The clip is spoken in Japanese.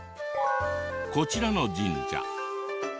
こちらの神社。